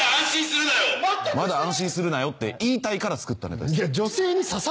「まだ安心するなよ」って言いたいから作ったネタです。